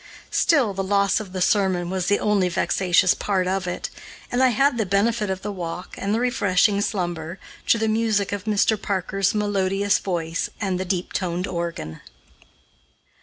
Still, the loss of the sermon was the only vexatious part of it, and I had the benefit of the walk and the refreshing slumber, to the music of Mr. Parker's melodious voice and the deep toned organ.